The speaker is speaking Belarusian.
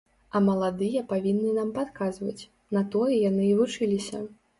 А маладыя павінны нам падказваць, на тое яны і вучыліся.